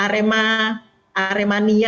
jadi ini memang menurut saya sebuah keteledoran